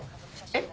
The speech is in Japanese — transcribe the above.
えっ？